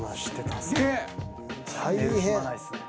大変！